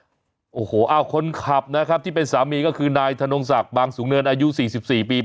โอ้โหอ้าวคนขับนะครับที่เป็นสามีก็คือนายธนงศักดิ์บางสูงเนินอายุ๔๔ปี